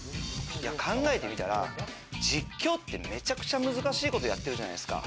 考えてみたら、実況ってめちゃくちゃ難しいことやってるじゃないですか。